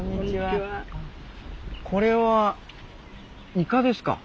これはイカですか？